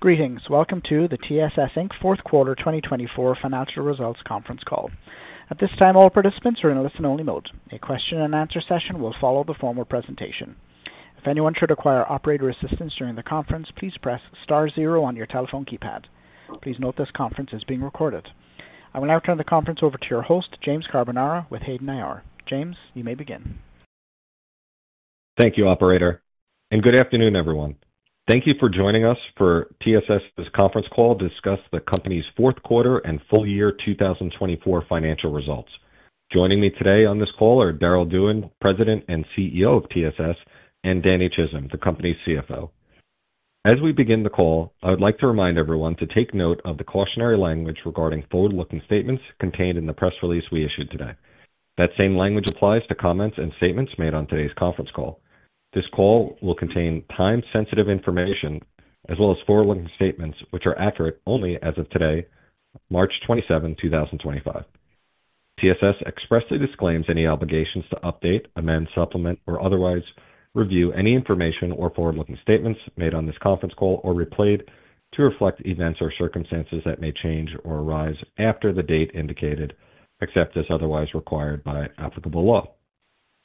Greetings. Welcome to the TSS fourth quarter 2024 financial results conference call. At this time, all participants are in a listen-only mode. A question-and-answer session will follow the formal presentation. If anyone should require operator assistance during the conference, please press star zero on your telephone keypad. Please note this conference is being recorded. I will now turn the conference over to your host, James Carbonara, with Hayden IR. James, you may begin. Thank you, Operator. Good afternoon, everyone. Thank you for joining us for TSS's conference call to discuss the company's fourth quarter and full year 2024 financial results. Joining me today on this call are Darryll Dewan, President and CEO of TSS, and Danny Chism, the company's CFO. As we begin the call, I would like to remind everyone to take note of the cautionary language regarding forward-looking statements contained in the press release we issued today. That same language applies to comments and statements made on today's conference call. This call will contain time-sensitive information as well as forward-looking statements, which are accurate only as of today, March 27, 2025. TSS expressly disclaims any obligations to update, amend, supplement, or otherwise review any information or forward-looking statements made on this conference call or replayed to reflect events or circumstances that may change or arise after the date indicated, except as otherwise required by applicable law.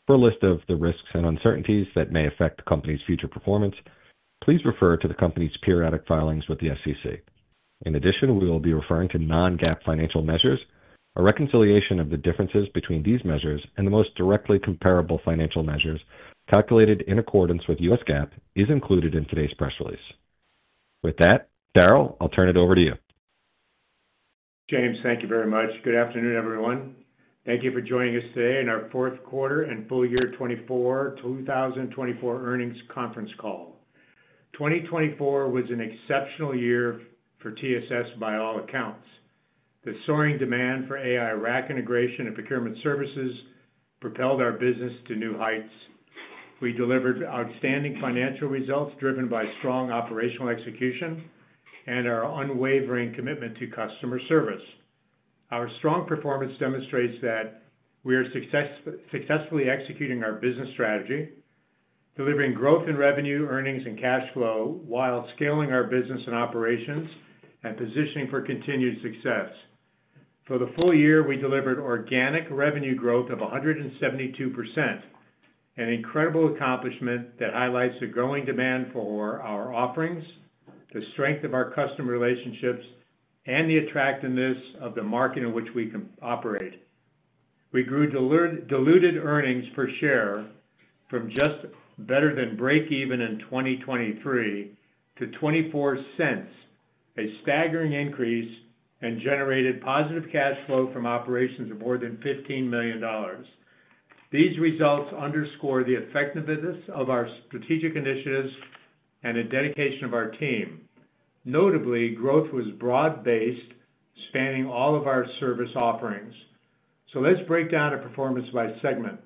For a list of the risks and uncertainties that may affect the company's future performance, please refer to the company's periodic filings with the SEC. In addition, we will be referring to non-GAAP financial measures. A reconciliation of the differences between these measures and the most directly comparable financial measures calculated in accordance with U.S. GAAP is included in today's press release. With that, Darryll, I'll turn it over to you. James, thank you very much. Good afternoon, everyone. Thank you for joining us today in our fourth quarter and full year 2024 earnings conference call. 2024 was an exceptional year for TSS by all accounts. The soaring demand for AI rack integration and procurement services propelled our business to new heights. We delivered outstanding financial results driven by strong operational execution and our unwavering commitment to customer service. Our strong performance demonstrates that we are successfully executing our business strategy, delivering growth in revenue, earnings, and cash flow while scaling our business and operations and positioning for continued success. For the full year, we delivered organic revenue growth of 172%, an incredible accomplishment that highlights the growing demand for our offerings, the strength of our customer relationships, and the attractiveness of the market in which we operate. We grew diluted earnings per share from just better than break-even in 2023 to $0.24, a staggering increase, and generated positive cash flow from operations of more than $15 million. These results underscore the effectiveness of our strategic initiatives and the dedication of our team. Notably, growth was broad-based, spanning all of our service offerings. Let's break down our performance by segment.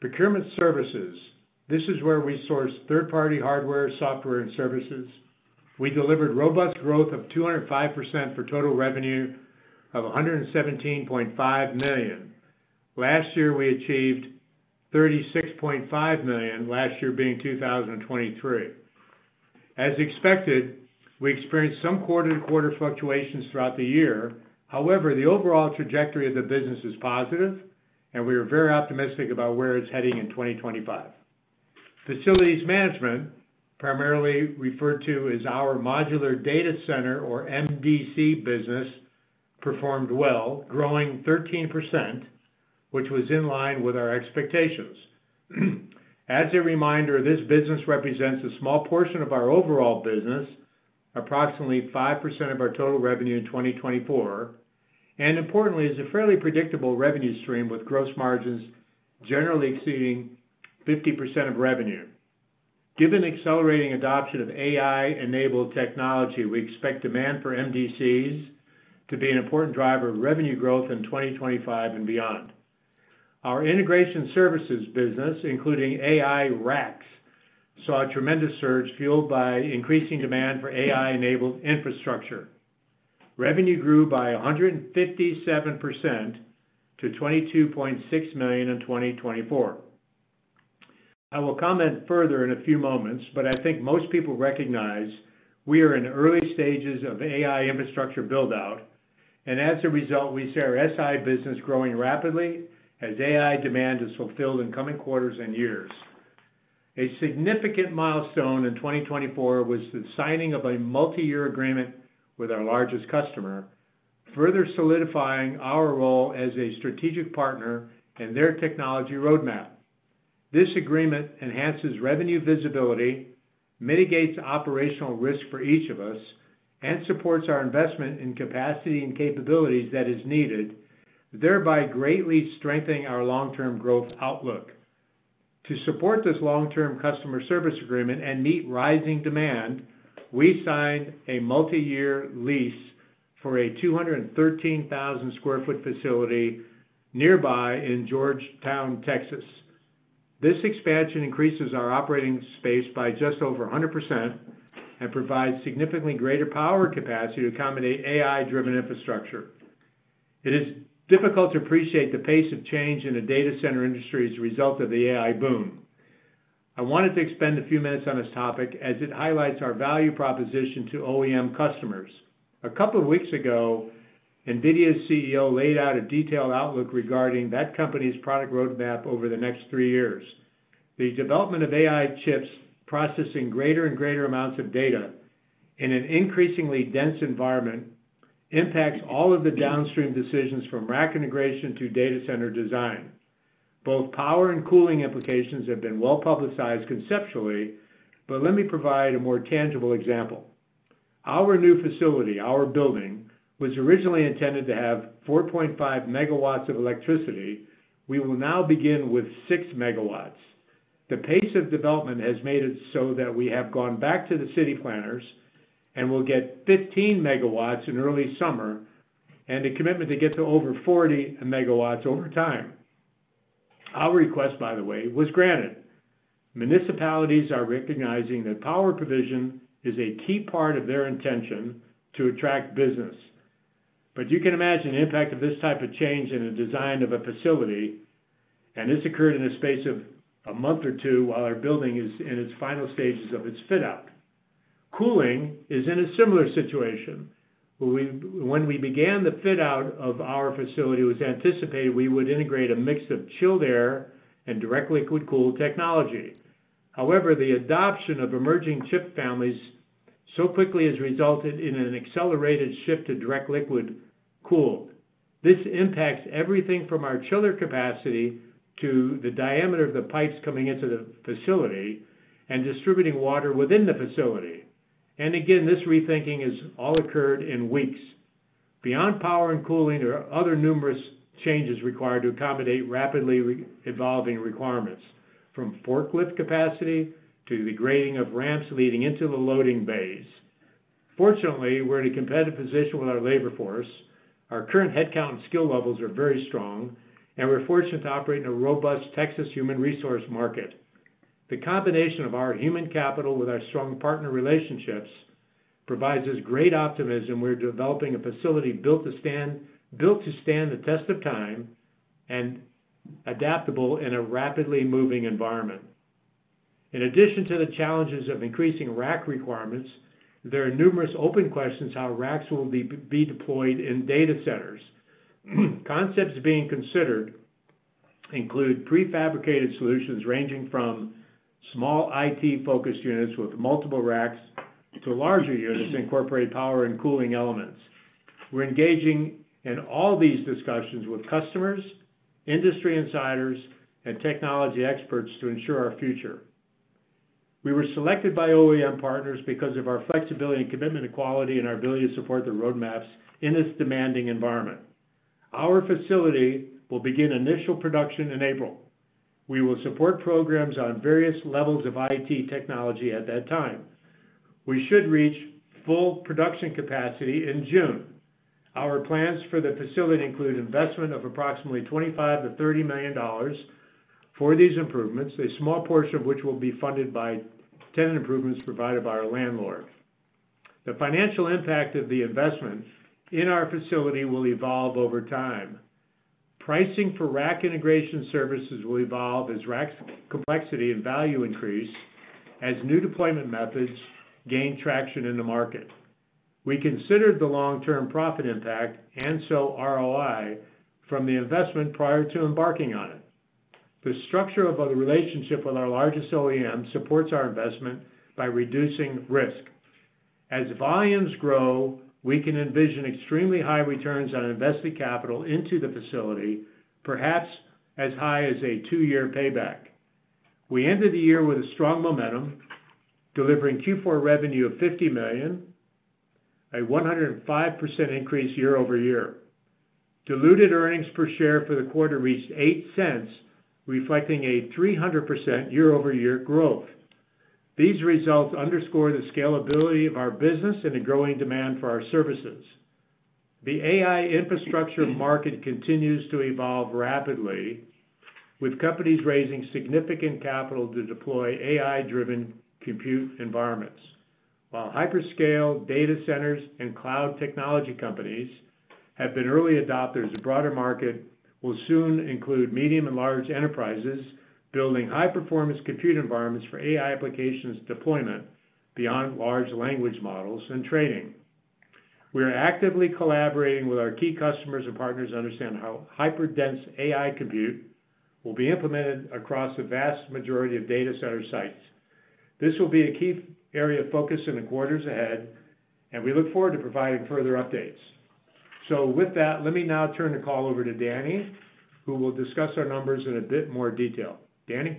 Procurement services, this is where we source third-party hardware, software, and services. We delivered robust growth of 205% for total revenue of $117.5 million. Last year, we achieved $36.5 million, last year being 2023. As expected, we experienced some quarter-to-quarter fluctuations throughout the year. However, the overall trajectory of the business is positive, and we are very optimistic about where it's heading in 2025. Facilities management, primarily referred to as our modular data center or MDC business, performed well, growing 13%, which was in line with our expectations. As a reminder, this business represents a small portion of our overall business, approximately 5% of our total revenue in 2024, and importantly, is a fairly predictable revenue stream with gross margins generally exceeding 50% of revenue. Given the accelerating adoption of AI-enabled technology, we expect demand for MDCs to be an important driver of revenue growth in 2025 and beyond. Our integration services business, including AI racks, saw a tremendous surge fueled by increasing demand for AI-enabled infrastructure. Revenue grew by 157% to $22.6 million in 2024. I will comment further in a few moments, but I think most people recognize we are in early stages of AI infrastructure build-out, and as a result, we see our SI business growing rapidly as AI demand is fulfilled in coming quarters and years. A significant milestone in 2024 was the signing of a multi-year agreement with our largest customer, further solidifying our role as a strategic partner in their technology roadmap. This agreement enhances revenue visibility, mitigates operational risk for each of us, and supports our investment in capacity and capabilities that are needed, thereby greatly strengthening our long-term growth outlook. To support this long-term customer service agreement and meet rising demand, we signed a multi-year lease for a 213,000 sq ft facility nearby in Georgetown, Texas. This expansion increases our operating space by just over 100% and provides significantly greater power capacity to accommodate AI-driven infrastructure. It is difficult to appreciate the pace of change in the data center industry as a result of the AI boom. I wanted to expend a few minutes on this topic as it highlights our value proposition to OEM customers. A couple of weeks ago, NVIDIA's CEO laid out a detailed outlook regarding that company's product roadmap over the next three years. The development of AI chips processing greater and greater amounts of data in an increasingly dense environment impacts all of the downstream decisions from rack integration to data center design. Both power and cooling implications have been well publicized conceptually, but let me provide a more tangible example. Our new facility, our building, was originally intended to have 4.5 megawatts of electricity. We will now begin with 6 megawatts. The pace of development has made it so that we have gone back to the city planners and will get 15 megawatts in early summer and a commitment to get to over 40 megawatts over time. Our request, by the way, was granted. Municipalities are recognizing that power provision is a key part of their intention to attract business. You can imagine the impact of this type of change in the design of a facility, and this occurred in the space of a month or two while our building is in its final stages of its fit-out. Cooling is in a similar situation. When we began the fit-out of our facility, it was anticipated we would integrate a mix of chilled air and direct liquid cooling technology. However, the adoption of emerging chip families so quickly has resulted in an accelerated shift to direct liquid cooling. This impacts everything from our chiller capacity to the diameter of the pipes coming into the facility and distributing water within the facility. This rethinking has all occurred in weeks. Beyond power and cooling, there are other numerous changes required to accommodate rapidly evolving requirements, from forklift capacity to the grading of ramps leading into the loading bays. Fortunately, we're in a competitive position with our labor force. Our current headcount and skill levels are very strong, and we're fortunate to operate in a robust Texas human resource market. The combination of our human capital with our strong partner relationships provides us great optimism. We're developing a facility built to stand the test of time and adaptable in a rapidly moving environment. In addition to the challenges of increasing racks requirements, there are numerous open questions about how racks will be deployed in data centers. Concepts being considered include prefabricated solutions ranging from small IT-focused units with multiple racks to larger units that incorporate power and cooling elements. We're engaging in all these discussions with customers, industry insiders, and technology experts to ensure our future. We were selected by OEM partners because of our flexibility and commitment to quality and our ability to support the roadmaps in this demanding environment. Our facility will begin initial production in April. We will support programs on various levels of IT technology at that time. We should reach full production capacity in June. Our plans for the facility include investment of approximately $25 million-$30 million for these improvements, a small portion of which will be funded by tenant improvements provided by our landlord. The financial impact of the investment in our facility will evolve over time. Pricing for rack integration services will evolve as rack's complexity and value increase as new deployment methods gain traction in the market. We considered the long-term profit impact and ROI from the investment prior to embarking on it. The structure of our relationship with our largest OEM supports our investment by reducing risk. As volumes grow, we can envision extremely high returns on invested capital into the facility, perhaps as high as a two-year payback. We ended the year with strong momentum, delivering Q4 revenue of $50 million, a 105% increase year-over-year. Diluted earnings per share for the quarter reached $0.08, reflecting a 300% year-over-year growth. These results underscore the scalability of our business and the growing demand for our services. The AI infrastructure market continues to evolve rapidly, with companies raising significant capital to deploy AI-driven compute environments. While hyperscale data centers and cloud technology companies have been early adopters of a broader market, we'll soon include medium and large enterprises building high-performance compute environments for AI applications deployment beyond large language models and training. We are actively collaborating with our key customers and partners to understand how hyperdense AI compute will be implemented across the vast majority of data center sites. This will be a key area of focus in the quarters ahead, and we look forward to providing further updates. Let me now turn the call over to Danny, who will discuss our numbers in a bit more detail. Danny.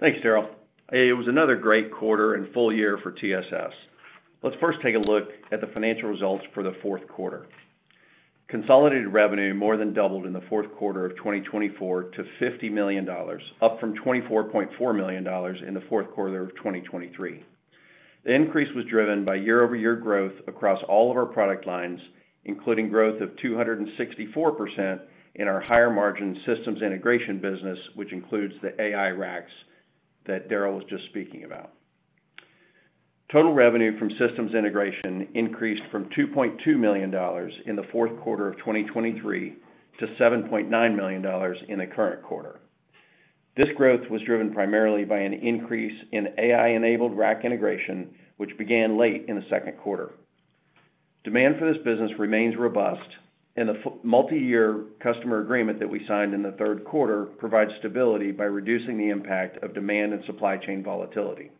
Thanks, Darryll. It was another great quarter and full year for TSS. Let's first take a look at the financial results for the fourth quarter. Consolidated revenue more than doubled in the fourth quarter of 2024 to $50 million, up from $24.4 million in the fourth quarter of 2023. The increase was driven by year-over-year growth across all of our product lines, including growth of 264% in our higher-margin systems integration business, which includes the AI racks that Darryll was just speaking about. Total revenue from systems integration increased from $2.2 million in the fourth quarter of 2023 to $7.9 million in the current quarter. This growth was driven primarily by an increase in AI-enabled rack integration, which began late in the second quarter. Demand for this business remains robust, and the multi-year customer agreement that we signed in the third quarter provides stability by reducing the impact of demand and supply chain volatility.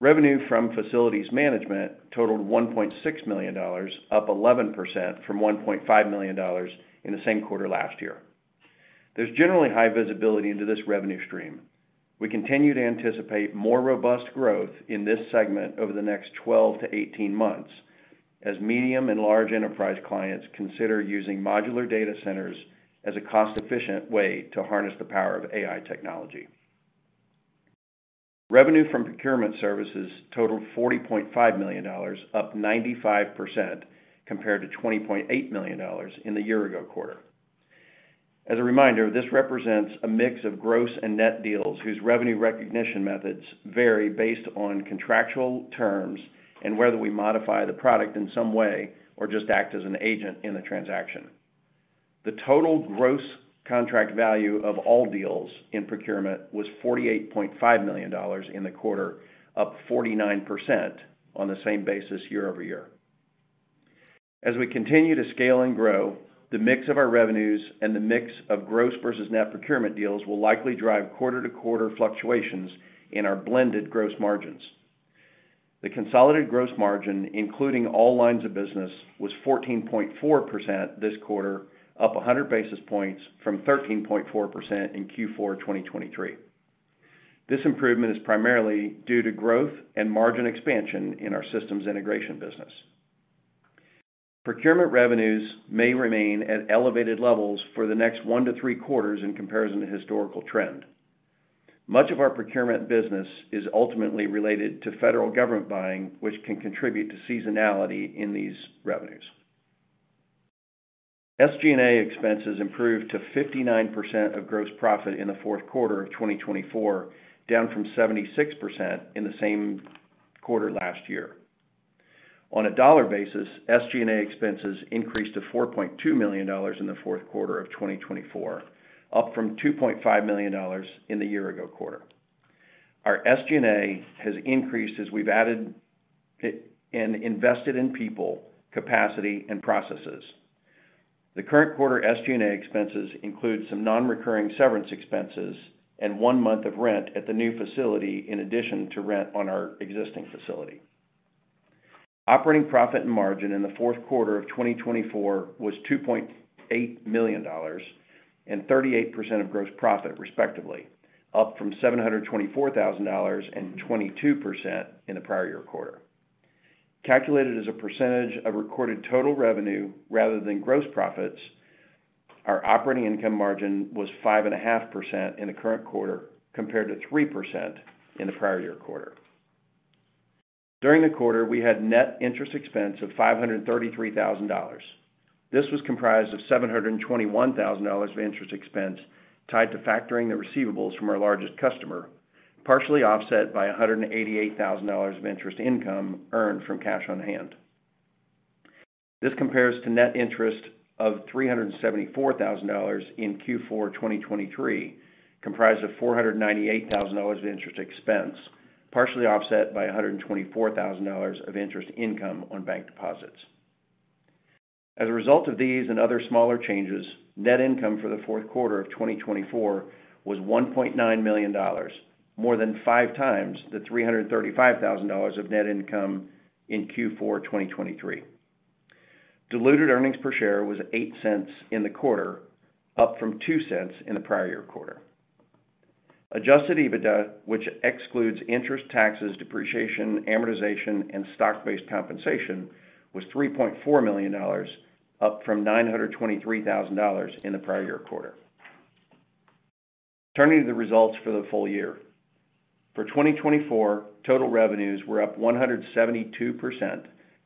Revenue from facilities management totaled $1.6 million, up 11% from $1.5 million in the same quarter last year. There is generally high visibility into this revenue stream. We continue to anticipate more robust growth in this segment over the next 12 months, 18 months as medium and large enterprise clients consider using modular data centers as a cost-efficient way to harness the power of AI technology. Revenue from procurement services totaled $40.5 million, up 95% compared to $20.8 million in the year-ago quarter. As a reminder, this represents a mix of gross and net deals whose revenue recognition methods vary based on contractual terms and whether we modify the product in some way or just act as an agent in the transaction. The total gross contract value of all deals in procurement was $48.5 million in the quarter, up 49% on the same basis year-over-year. As we continue to scale and grow, the mix of our revenues and the mix of gross versus net procurement deals will likely drive quarter-to-quarter fluctuations in our blended gross margins. The consolidated gross margin, including all lines of business, was 14.4% this quarter, up 100 basis points from 13.4% in Q4 2023. This improvement is primarily due to growth and margin expansion in our systems integration business. Procurement revenues may remain at elevated levels for the next one to three quarters in comparison to historical trend. Much of our procurement business is ultimately related to federal government buying, which can contribute to seasonality in these revenues. SG&A expenses improved to 59% of gross profit in the fourth quarter of 2024, down from 76% in the same quarter last year. On a dollar basis, SG&A expenses increased to $4.2 million in the fourth quarter of 2024, up from $2.5 million in the year-ago quarter. Our SG&A has increased as we've added and invested in people, capacity, and processes. The current quarter SG&A expenses include some non-recurring severance expenses and one month of rent at the new facility in addition to rent on our existing facility. Operating profit and margin in the fourth quarter of 2024 was $2.8 million and 38% of gross profit, respectively, up from $724,000 and 22% in the prior year quarter. Calculated as a percentage of recorded total revenue rather than gross profits, our operating income margin was 5.5% in the current quarter compared to 3% in the prior year quarter. During the quarter, we had net interest expense of $533,000. This was comprised of $721,000 of interest expense tied to factoring the receivables from our largest customer, partially offset by $188,000 of interest income earned from cash on hand. This compares to net interest of $374,000 in Q4 2023, comprised of $498,000 of interest expense, partially offset by $124,000 of interest income on bank deposits. As a result of these and other smaller changes, net income for the fourth quarter of 2024 was $1.9 million, more than five times the $335,000 of net income in Q4 2023. Diluted earnings per share was $0.08 in the quarter, up from $0.02 in the prior year quarter. Adjusted EBITDA, which excludes interest, taxes, depreciation, amortization, and stock-based compensation, was $3.4 million, up from $923,000 in the prior year quarter. Turning to the results for the full year. For 2024, total revenues were up 172%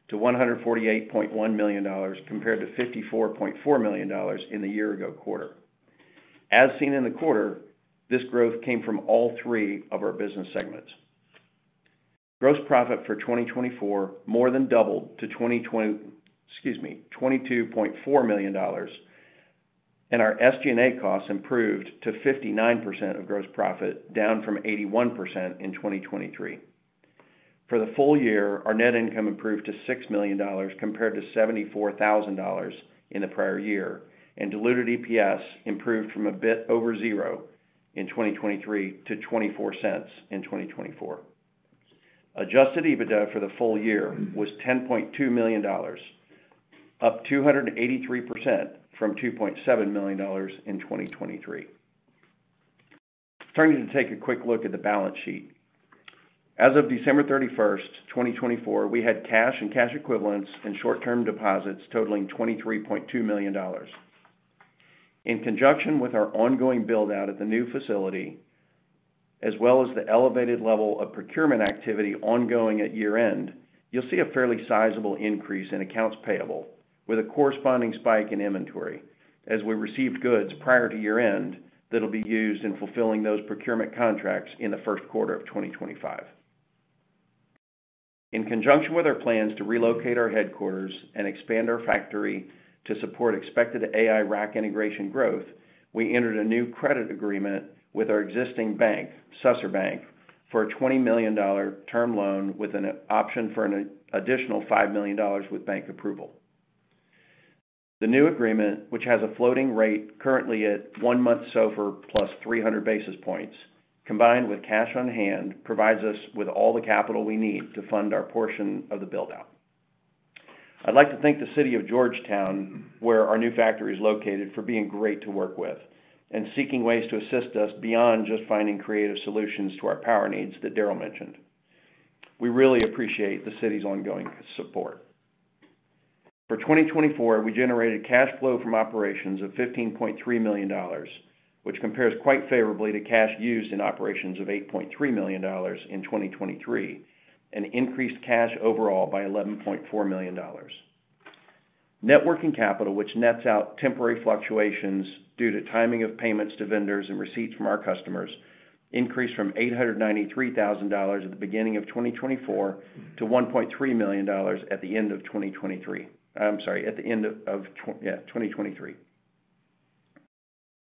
to $148.1 million compared to $54.4 million in the year-ago quarter. As seen in the quarter, this growth came from all three of our business segments. Gross profit for 2024 more than doubled to $22.4 million, and our SG&A costs improved to 59% of gross profit, down from 81% in 2023. For the full year, our net income improved to $6 million compared to $74,000 in the prior year, and diluted EPS improved from a bit over zero in 2023 to 24 cents in 2024. Adjusted EBITDA for the full year was $10.2 million, up 283% from $2.7 million in 2023. Turning to take a quick look at the balance sheet. As of December 31st, 2024, we had cash and cash equivalents and short-term deposits totaling $23.2 million. In conjunction with our ongoing build-out at the new facility, as well as the elevated level of procurement activity ongoing at year-end, you'll see a fairly sizable increase in accounts payable with a corresponding spike in inventory as we receive goods prior to year-end that will be used in fulfilling those procurement contracts in the first quarter of 2025. In conjunction with our plans to relocate our headquarters and expand our factory to support expected AI rack integration growth, we entered a new credit agreement with our existing bank, Susser Bank, for a $20 million term loan with an option for an additional $5 million with bank approval. The new agreement, which has a floating rate currently at one month's SOFR plus 300 basis points, combined with cash on hand, provides us with all the capital we need to fund our portion of the build-out. I'd like to thank the City of Georgetown, where our new factory is located, for being great to work with and seeking ways to assist us beyond just finding creative solutions to our power needs that Darryll mentioned. We really appreciate the city's ongoing support. For 2024, we generated cash flow from operations of $15.3 million, which compares quite favorably to cash used in operations of $8.3 million in 2023 and increased cash overall by $11.4 million. Net working capital, which nets out temporary fluctuations due to timing of payments to vendors and receipts from our customers, increased from $893,000 at the beginning of 2024 to $1.3 million at the end of 2023. I'm sorry, at the end of, yeah, 2023.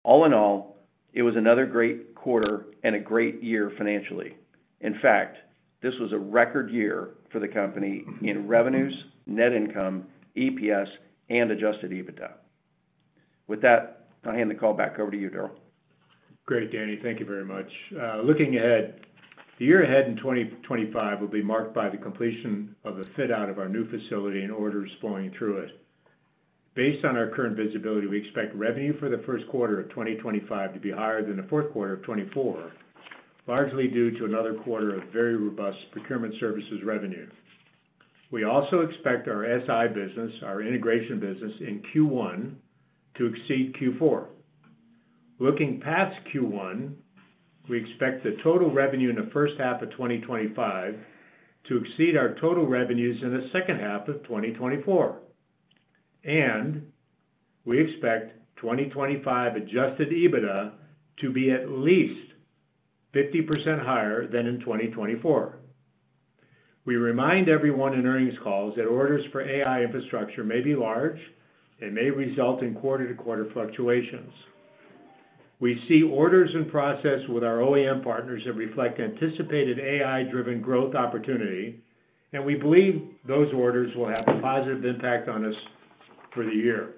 All in all, it was another great quarter and a great year financially. In fact, this was a record year for the company in revenues, net income, EPS, and adjusted EBITDA. With that, I'll hand the call back over to you, Darryll. Great, Danny. Thank you very much. Looking ahead, the year ahead in 2025 will be marked by the completion of the fit-out of our new facility and orders flowing through it. Based on our current visibility, we expect revenue for the first quarter of 2025 to be higher than the fourth quarter of 2024, largely due to another quarter of very robust procurement services revenue. We also expect our SI business, our integration business in Q1, to exceed Q4. Looking past Q1, we expect the total revenue in the first half of 2025 to exceed our total revenues in the second half of 2024. We expect 2025 adjusted EBITDA to be at least 50% higher than in 2024. We remind everyone in earnings calls that orders for AI infrastructure may be large and may result in quarter-to-quarter fluctuations. We see orders in process with our OEM partners that reflect anticipated AI-driven growth opportunity, and we believe those orders will have a positive impact on us for the year.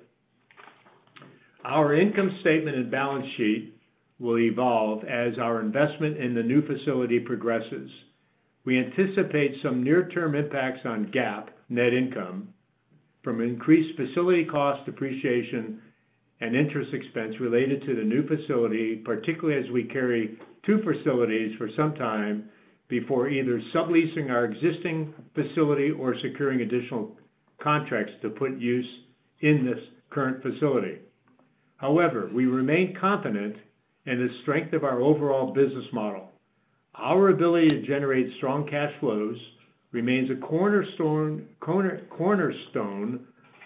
Our income statement and balance sheet will evolve as our investment in the new facility progresses. We anticipate some near-term impacts on GAAP net income from increased facility cost depreciation and interest expense related to the new facility, particularly as we carry two facilities for some time before either subleasing our existing facility or securing additional contracts to put use in this current facility. However, we remain confident in the strength of our overall business model. Our ability to generate strong cash flows remains a cornerstone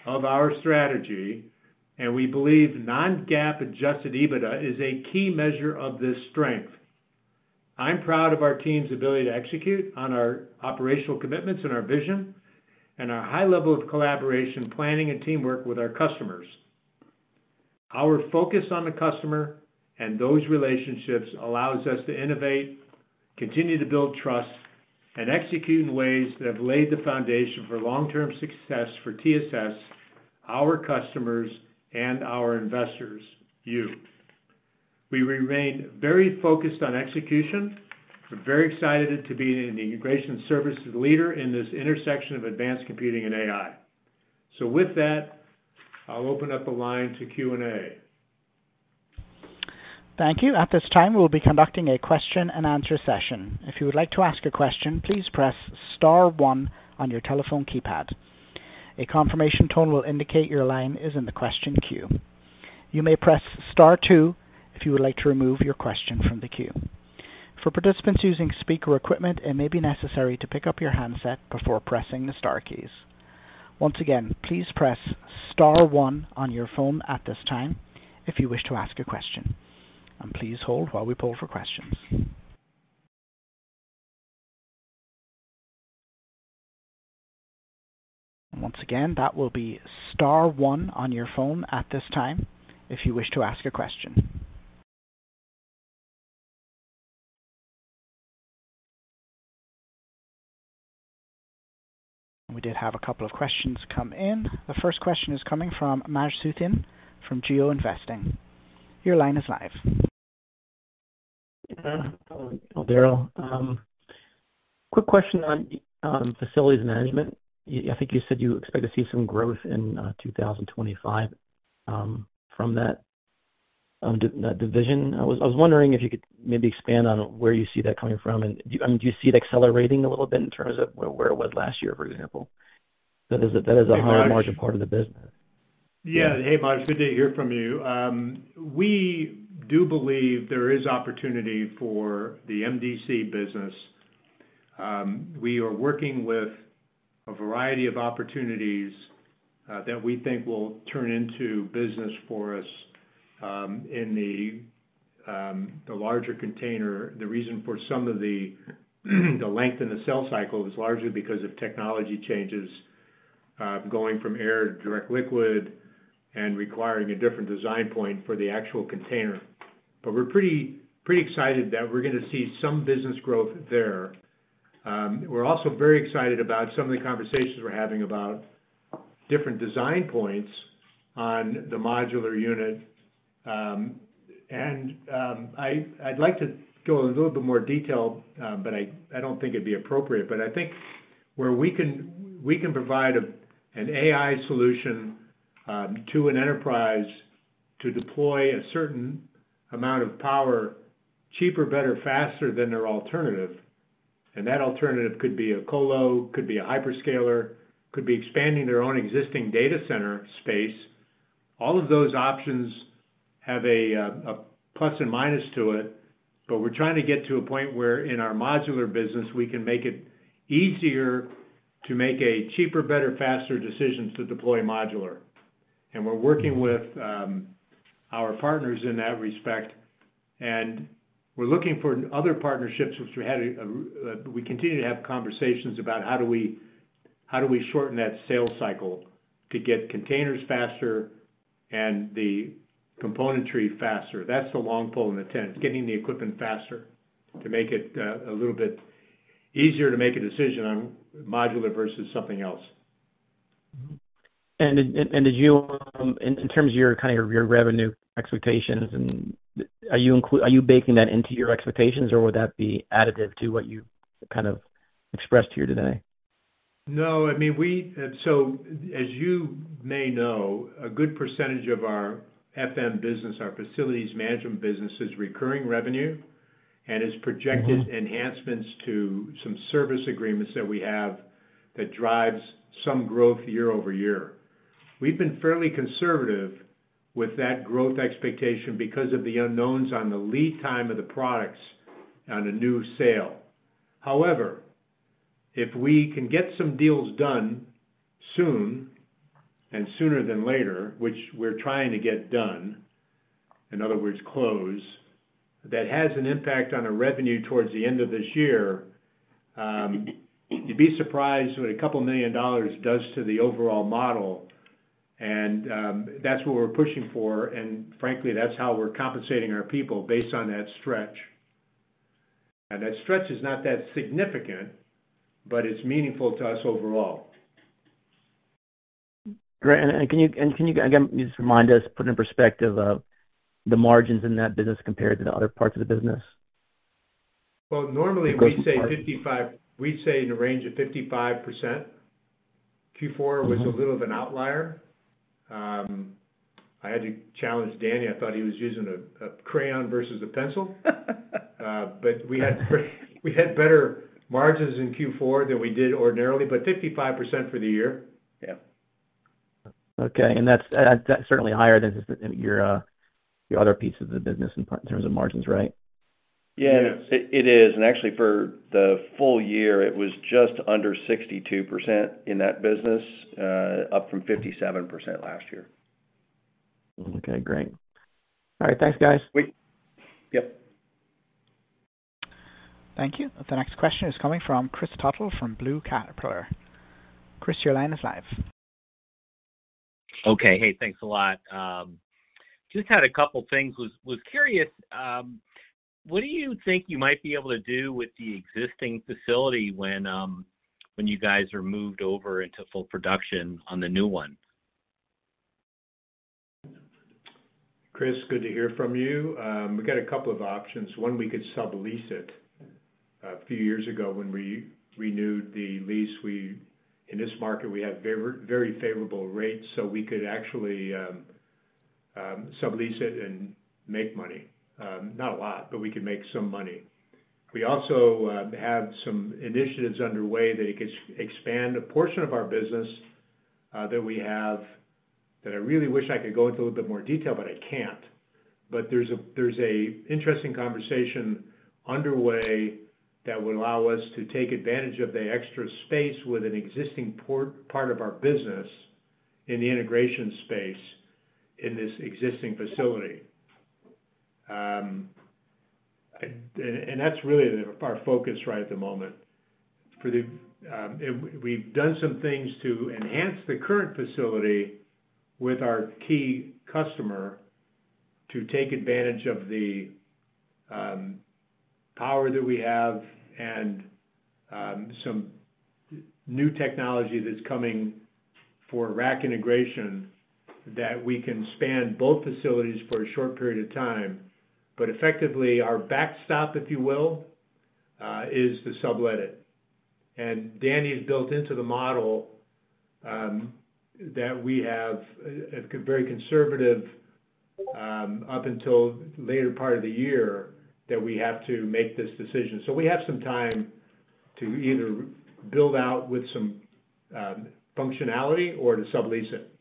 of our strategy, and we believe non-GAAP adjusted EBITDA is a key measure of this strength. I'm proud of our team's ability to execute on our operational commitments and our vision and our high level of collaboration, planning, and teamwork with our customers. Our focus on the customer and those relationships allows us to innovate, continue to build trust, and execute in ways that have laid the foundation for long-term success for TSS, our customers, and our investors, you. We remain very focused on execution. We are very excited to be an integration services leader in this intersection of advanced computing and AI. With that, I'll open up the line to Q&A. Thank you. At this time, we'll be conducting a question-and-answer session. If you would like to ask a question, please press star one on your telephone keypad. A confirmation tone will indicate your line is in the question queue. You may press star two if you would like to remove your question from the queue. For participants using speaker equipment, it may be necessary to pick up your handset before pressing the star keys. Once again, please press star one on your phone at this time if you wish to ask a question. Please hold while we pull for questions. Once again, that will be star one on your phone at this time if you wish to ask a question. We did have a couple of questions come in. The first question is coming from Maj Soueidan from GeoInvesting. Your line is live. Darryll, quick question on facilities management. I think you said you expect to see some growth in 2025 from that division. I was wondering if you could maybe expand on where you see that coming from. Do you see it accelerating a little bit in terms of where it was last year, for example? That is a higher margin part of the business. Yeah. Hey, Maj, good to hear from you. We do believe there is opportunity for the MDC business. We are working with a variety of opportunities that we think will turn into business for us in the larger container. The reason for some of the length in the sell cycle is largely because of technology changes going from air to direct liquid and requiring a different design point for the actual container. We are pretty excited that we are going to see some business growth there. We are also very excited about some of the conversations we are having about different design points on the modular unit. I would like to go into a little bit more detail, but I do not think it would be appropriate. I think where we can provide an AI solution to an enterprise to deploy a certain amount of power cheaper, better, faster than their alternative. That alternative could be a colo, could be a hyperscaler, could be expanding their own existing data center space. All of those options have a plus and minus to it. We are trying to get to a point where in our modular business, we can make it easier to make a cheaper, better, faster decision to deploy modular. We are working with our partners in that respect. We are looking for other partnerships, which we had. We continue to have conversations about how do we shorten that sale cycle to get containers faster and the componentry faster. That is the long pole in the tent. It is getting the equipment faster to make it a little bit easier to make a decision on modular versus something else. In terms of your kind of your revenue expectations, are you baking that into your expectations, or would that be additive to what you kind of expressed here today? No. I mean, as you may know, a good percentage of our FM business, our facilities management business, is recurring revenue and is projected enhancements to some service agreements that we have that drives some growth year-over-year. We've been fairly conservative with that growth expectation because of the unknowns on the lead time of the products on a new sale. However, if we can get some deals done soon and sooner than later, which we're trying to get done, in other words, close, that has an impact on our revenue towards the end of this year, you'd be surprised what a couple of million dollars does to the overall model. That's what we're pushing for. Frankly, that's how we're compensating our people based on that stretch. That stretch is not that significant, but it's meaningful to us overall. Great. Can you again just remind us, put in perspective of the margins in that business compared to the other parts of the business? Normally we say 55%. We say in the range of 55%. Q4 was a little of an outlier. I had to challenge Danny. I thought he was using a crayon versus a pencil. We had better margins in Q4 than we did ordinarily, but 55% for the year. Yeah. Okay. That is certainly higher than your other pieces of the business in terms of margins, right? Yeah. It is. Actually, for the full year, it was just under 62% in that business, up from 57% last year. Okay. Great. All right. Thanks, guys. Yep. Thank you. The next question is coming from Kris Tuttle from Blue Caterpillar. Kris, your line is live. Okay. Hey, thanks a lot. Just had a couple of things. Was curious, what do you think you might be able to do with the existing facility when you guys are moved over into full production on the new one? Kris, good to hear from you. We've got a couple of options. One, we could sublease it. A few years ago, when we renewed the lease, in this market, we have very favorable rates, so we could actually sublease it and make money. Not a lot, but we could make some money. We also have some initiatives underway that it could expand a portion of our business that we have that I really wish I could go into a little bit more detail, but I can't. There is an interesting conversation underway that would allow us to take advantage of the extra space with an existing part of our business in the integration space in this existing facility. That is really our focus right at the moment. We've done some things to enhance the current facility with our key customer to take advantage of the power that we have and some new technology that's coming for rack integration that we can span both facilities for a short period of time. Effectively, our backstop, if you will, is to sublet it. Danny's built into the model that we have a very conservative up until later part of the year that we have to make this decision. We have some time to either build out with some functionality or to sublet it.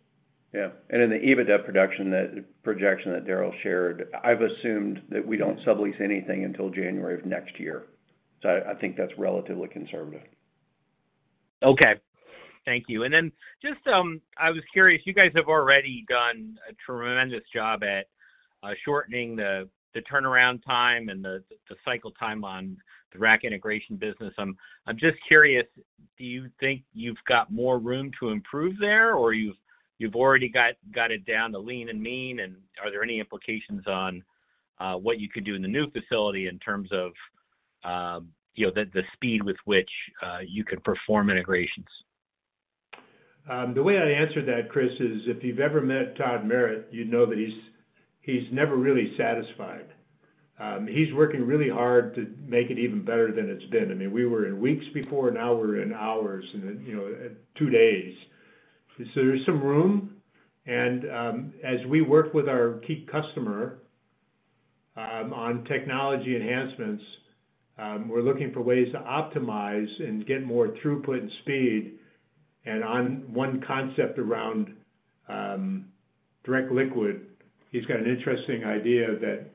Yeah. In the EBITDA projection that Darryll shared, I've assumed that we don't sublet anything until January of next year. I think that's relatively conservative. Okay. Thank you. I was curious, you guys have already done a tremendous job at shortening the turnaround time and the cycle time on the rack integration business. I'm just curious, do you think you've got more room to improve there, or you've already got it down to lean and mean? Are there any implications on what you could do in the new facility in terms of the speed with which you could perform integrations? The way I answered that, Kris, is if you've ever met Todd Marrott, you'd know that he's never really satisfied. He's working really hard to make it even better than it's been. I mean, we were in weeks before, and now we're in hours and two days. There's some room. As we work with our key customer on technology enhancements, we're looking for ways to optimize and get more throughput and speed. On one concept around direct liquid, he's got an interesting idea that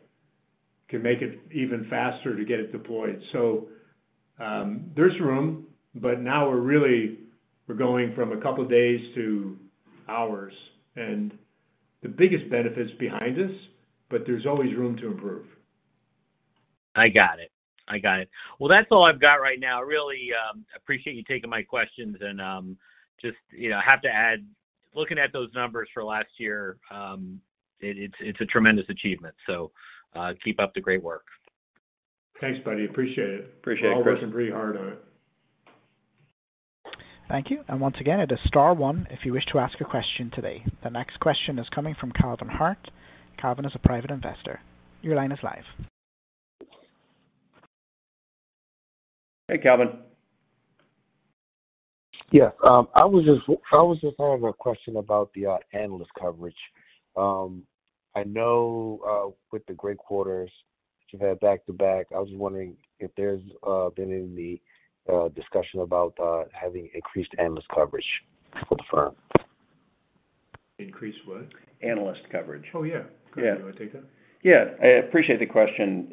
can make it even faster to get it deployed. There's room, but now we're really going from a couple of days to hours. The biggest benefit's behind us, but there's always room to improve. I got it. I got it. That is all I've got right now. I really appreciate you taking my questions. I just have to add, looking at those numbers for last year, it is a tremendous achievement. Keep up the great work. Thanks, buddy. Appreciate it. I've worked pretty hard on it. Thank you. Once again, it is star one if you wish to ask a question today. The next question is coming from Calvin Hart. Calvin is a private investor. Your line is live. Hey, Calvin. Yes. I was just having a question about the analyst coverage. I know with the great quarters that you've had back to back, I was just wondering if there's been any discussion about having increased analyst coverage for the firm. Increase what? Analyst coverage. Oh, yeah. Could I take that? Yeah. I appreciate the question.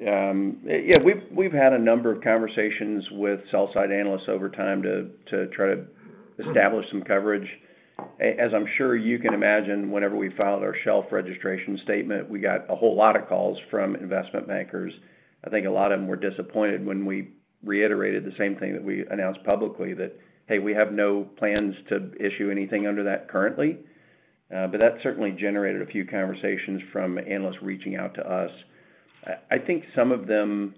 Yeah. We've had a number of conversations with sell-side analysts over time to try to establish some coverage. As I'm sure you can imagine, whenever we filed our shelf registration statement, we got a whole lot of calls from investment bankers. I think a lot of them were disappointed when we reiterated the same thing that we announced publicly, that, "Hey, we have no plans to issue anything under that currently." That certainly generated a few conversations from analysts reaching out to us. I think some of them,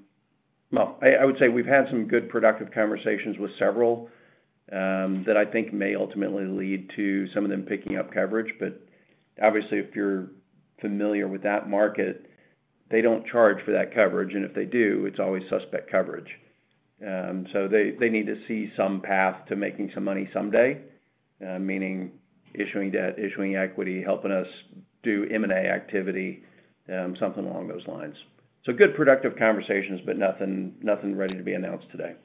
well, I would say we've had some good productive conversations with several that I think may ultimately lead to some of them picking up coverage. Obviously, if you're familiar with that market, they don't charge for that coverage. If they do, it's always suspect coverage. They need to see some path to making some money someday, meaning issuing debt, issuing equity, helping us do M&A activity, something along those lines. Good productive conversations, but nothing ready to be announced today.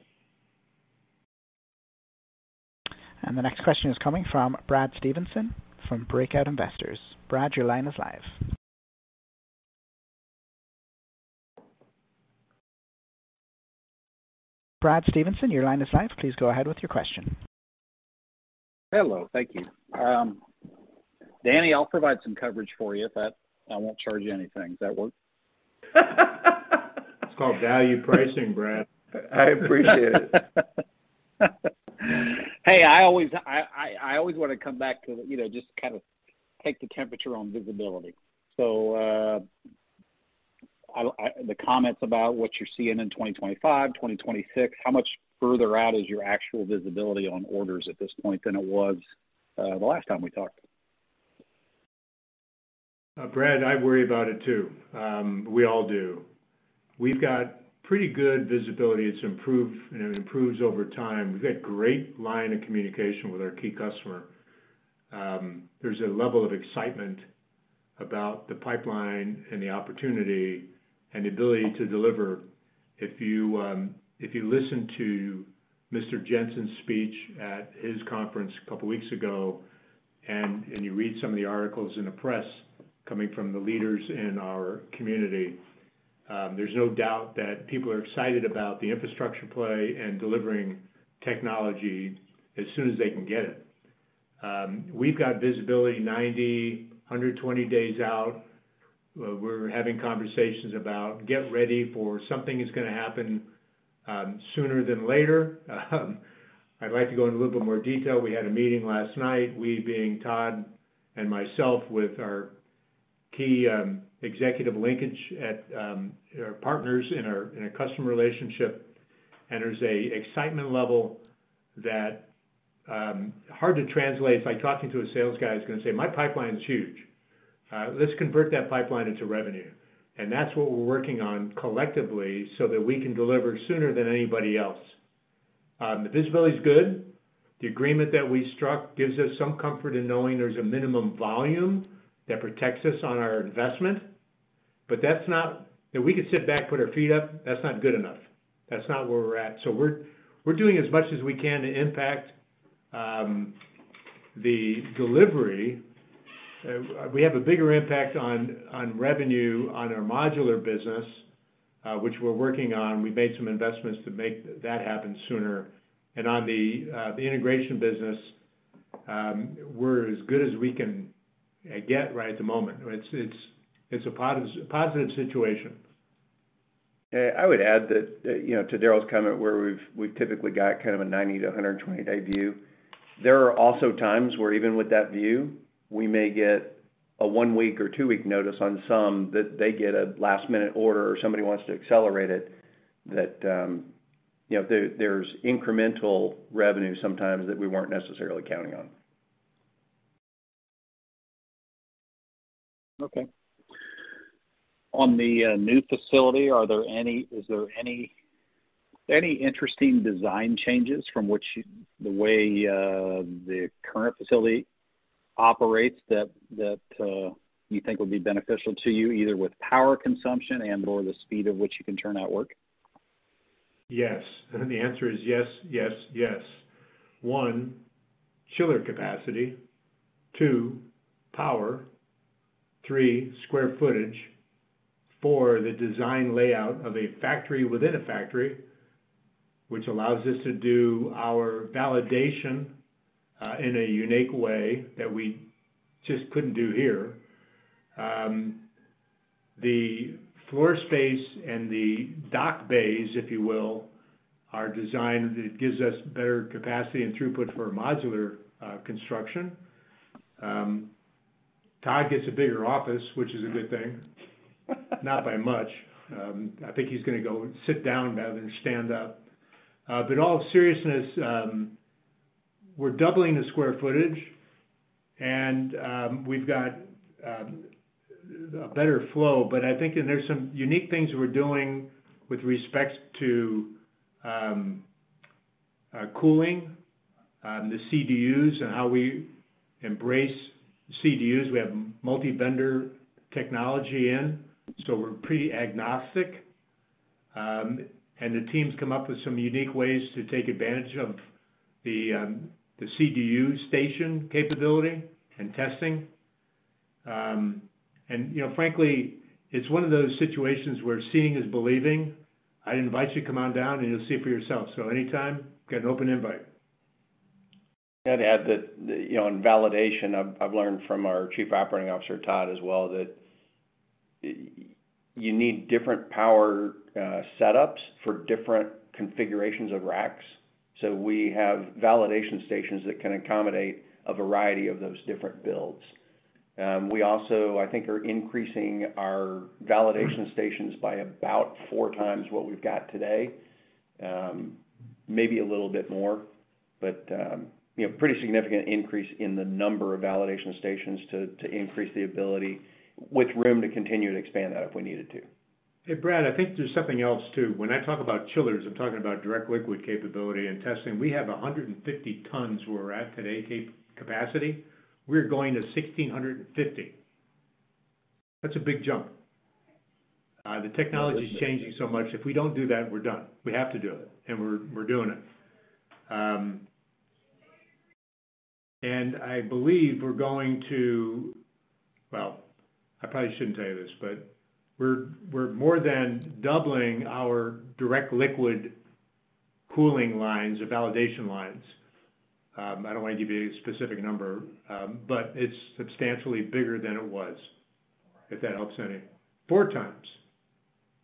The next question is coming from Brad Stevenson from Breakout Investors. Brad, your line is live. Brad Stevenson, your line is live. Please go ahead with your question. Hello. Thank you. Danny, I'll provide some coverage for you if that I won't charge you anything. Does that work? It's called value pricing, Brad. I appreciate it. Hey, I always want to come back to just kind of take the temperature on visibility. The comments about what you're seeing in 2025, 2026, how much further out is your actual visibility on orders at this point than it was the last time we talked? Brad, I worry about it too. We all do. We've got pretty good visibility. It improves over time. We've got a great line of communication with our key customer. There's a level of excitement about the pipeline and the opportunity and the ability to deliver. If you listen to Mr. Jensen's speech at his conference a couple of weeks ago and you read some of the articles in the press coming from the leaders in our community, there's no doubt that people are excited about the infrastructure play and delivering technology as soon as they can get it. We've got visibility 90 days, 120 days out. We're having conversations about getting ready for something that's going to happen sooner than later. I'd like to go into a little bit more detail. We had a meeting last night, we being Todd and myself with our key executive linkage at our partners in our customer relationship. There's an excitement level that's hard to translate. It's like talking to a sales guy who's going to say, "My pipeline is huge. Let's convert that pipeline into revenue." That's what we're working on collectively so that we can deliver sooner than anybody else. The visibility is good. The agreement that we struck gives us some comfort in knowing there's a minimum volume that protects us on our investment. That's not that we could sit back, put our feet up. That's not good enough. That's not where we're at. We're doing as much as we can to impact the delivery. We have a bigger impact on revenue on our modular business, which we're working on. We've made some investments to make that happen sooner. On the integration business, we're as good as we can get right at the moment. It's a positive situation. I would add that to Darryll's comment, where we've typically got kind of a 90 day-120 day view, there are also times where even with that view, we may get a one-week or two-week notice on some that they get a last-minute order or somebody wants to accelerate it, that there's incremental revenue sometimes that we weren't necessarily counting on. Okay. On the new facility, is there any interesting design changes from the way the current facility operates that you think would be beneficial to you, either with power consumption and/or the speed at which you can turn out work? Yes. The answer is yes, yes, yes. One, chiller capacity. Two, power. Three, square footage. Four, the design layout of a factory within a factory, which allows us to do our validation in a unique way that we just could not do here. The floor space and the dock bays, if you will, are designed that gives us better capacity and throughput for modular construction. Todd gets a bigger office, which is a good thing. Not by much. I think he is going to go sit down rather than stand up. In all seriousness, we are doubling the square footage, and we have got a better flow. I think there are some unique things we are doing with respect to cooling, the CDUs, and how we embrace CDUs. We have multi-vendor technology in, so we are pretty agnostic. The teams come up with some unique ways to take advantage of the CDU station capability and testing. Frankly, it is one of those situations where seeing is believing. I would invite you to come on down, and you will see for yourself. Anytime, you get an open invite. I'd add that in validation, I've learned from our Chief Operating Officer, Todd, as well, that you need different power setups for different configurations of racks. So we have validation stations that can accommodate a variety of those different builds. We also, I think, are increasing our validation stations by about four times what we've got today. Maybe a little bit more, but pretty significant increase in the number of validation stations to increase the ability with room to continue to expand that if we needed to. Hey, Brad, I think there's something else too. When I talk about chillers, I'm talking about direct liquid capability and testing. We have 150 tons where we're at today capacity. We're going to 1,650 tons. That's a big jump. The technology is changing so much. If we don't do that, we're done. We have to do it. We're doing it. I believe we're going to—I probably shouldn't tell you this, but we're more than doubling our direct liquid cooling lines, validation lines. I don't want to give you a specific number, but it's substantially bigger than it was, if that helps anyone. Four times.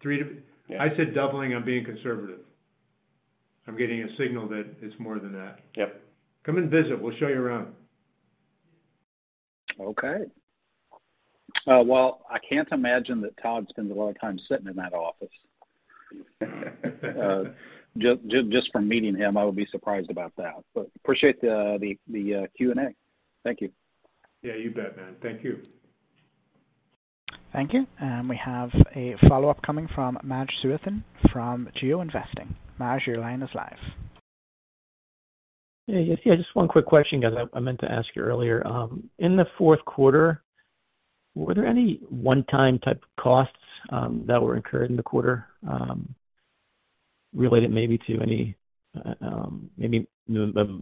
I said doubling. I'm being conservative. I'm getting a signal that it's more than that. Come and visit. We'll show you around. Okay. I can't imagine that Todd spends a lot of time sitting in that office. Just from meeting him, I would be surprised about that. Appreciate the Q&A. Thank you. Yeah, you bet, man. Thank you. Thank you. We have a follow-up coming from Maj Soueidan from GeoInvesting. Maj, your line is live. Hey, just one quick question because I meant to ask you earlier. In the fourth quarter, were there any one-time type costs that were incurred in the quarter related maybe to any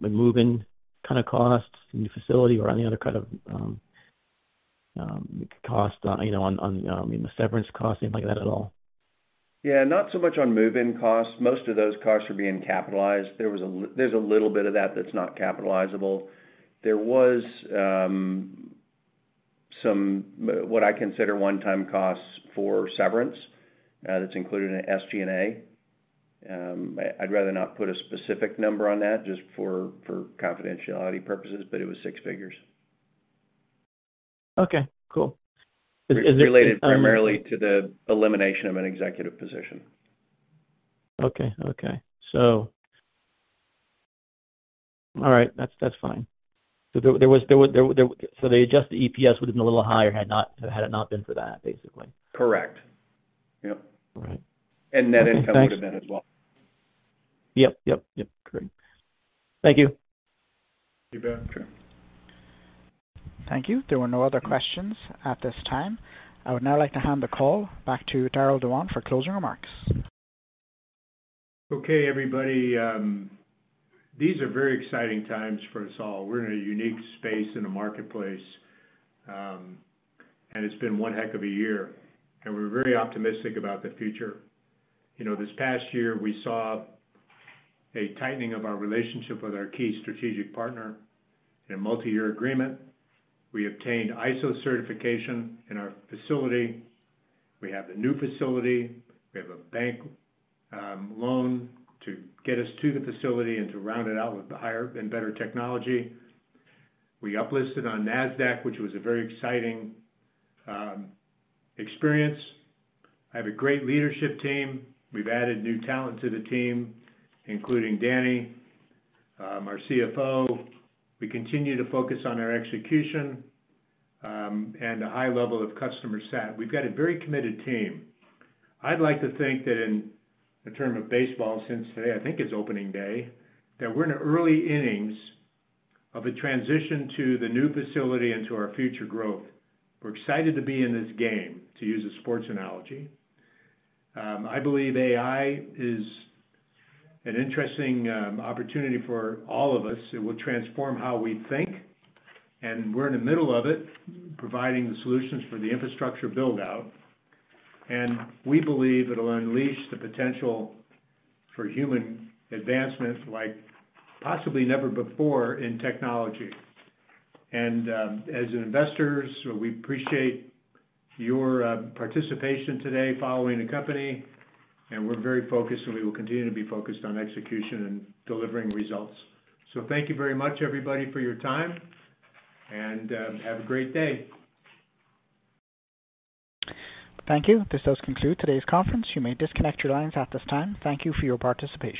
moving kind of costs, new facility, or any other kind of cost on the severance costs, anything like that at all? Yeah, not so much on moving costs. Most of those costs are being capitalized. There's a little bit of that that's not capitalizable. There was some what I consider one-time costs for severance that's included in SG&A. I'd rather not put a specific number on that just for confidentiality purposes, but it was six figures. Okay. Cool. Is it? It's related primarily to the elimination of an executive position. Okay. Okay. All right. That's fine. They adjust the EPS within a little higher had it not been for that, basically. Correct. Yep. Net income would have been as well. Yep. Correct. Thank you. You bet. Sure. Thank you. There were no other questions at this time. I would now like to hand the call back to Darryll Dewan for closing remarks. Okay, everybody. These are very exciting times for us all. We're in a unique space in a marketplace, and it's been one heck of a year. We're very optimistic about the future. This past year, we saw a tightening of our relationship with our key strategic partner in a multi-year agreement. We obtained ISO certification in our facility. We have a new facility. We have a bank loan to get us to the facility and to round it out with higher and better technology. We uplisted on NASDAQ, which was a very exciting experience. I have a great leadership team. We've added new talent to the team, including Danny, our CFO. We continue to focus on our execution and a high level of customer sat. We've got a very committed team. I'd like to think that in a term of baseball, since today, I think it's opening day, that we're in the early innings of a transition to the new facility and to our future growth. We're excited to be in this game, to use a sports analogy. I believe AI is an interesting opportunity for all of us. It will transform how we think. We're in the middle of it, providing the solutions for the infrastructure build-out. We believe it will unleash the potential for human advancement like possibly never before in technology. As investors, we appreciate your participation today following the company. We're very focused, and we will continue to be focused on execution and delivering results. Thank you very much, everybody, for your time. Have a great day. Thank you. This does conclude today's conference. You may disconnect your lines at this time. Thank you for your participation.